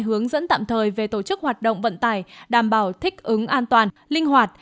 hướng dẫn tạm thời về tổ chức hoạt động vận tải đảm bảo thích ứng an toàn linh hoạt